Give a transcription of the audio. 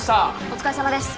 お疲れさまです